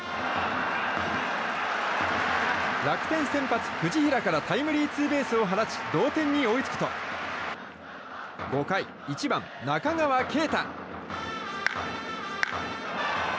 楽天、先発、藤平からタイムリーツーベースを放ち同点に追いつくと５回、１番、中川圭太。